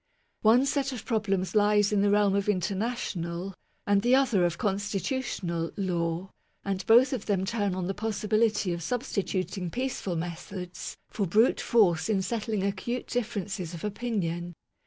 One set of problems lies in the realm of inter national, and the other of constitutional, law ; and both of them turn on the possibility of substituting^ peaceful methods for brute force in settling acute differences of opinion.